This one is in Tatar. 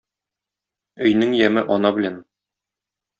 Өйнең яме ана белән.